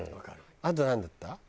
あとなんだった？